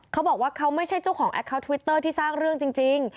เขาบอกว่าเขาไม่ใช่เจ้าของแอคเคาน์ทวิตเตอร์ที่สร้างเรื่องจริง